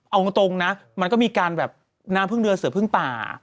เอาตรงนะมันก็มีการแบบน้ำพึ่งเรือเสือพึ่งป่า